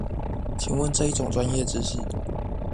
請問這一種專業知識